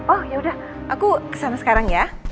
oh yaudah aku kesana sekarang ya